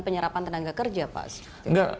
penyerapan tenaga kerja pak